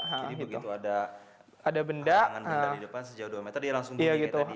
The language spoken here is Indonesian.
jadi begitu ada halangan benda di depan sejauh dua meter dia langsung bunyi kayak tadi ya